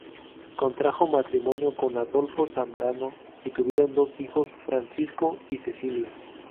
Contrajo matrimonio con Adolfo Zambrano y tuvieron dos hijos, Francisco y Cecilia.